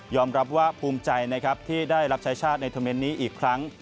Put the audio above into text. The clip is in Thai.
ยอมรับว่าภูมิใจที่ได้รับใช้ชาติในธรรมนี้อีกครั้ง